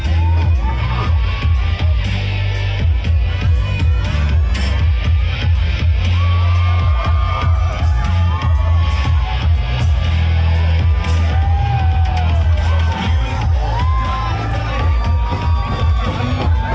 หัวใจให้ความ